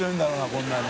こんなに。